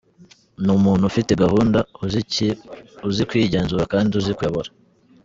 Ni umuntu ufite gahunda, uzi kwigenzura kandi uzi kuyobora.